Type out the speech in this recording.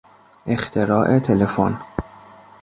اختراع تلفن